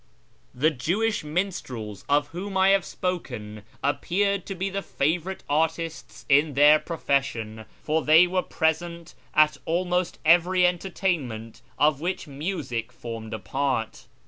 The Jewish minstrels of whom I have spoken appeared to be the favourite artists in their profession, for they were present at almost every entertainment of which music formed a part.